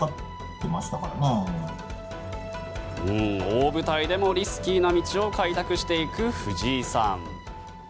大舞台でもリスキーな道を開拓していく藤井さん。